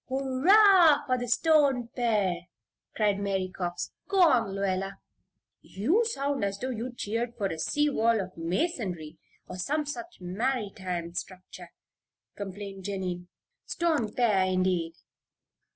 "Hurrah for the Stone pere!" cried Mary Cox. "Go on, Lluella." "You sound as though you cheered for a sea wall of masonry, or some such maritime structure," complained Jennie. "'Stone pere,' indeed!"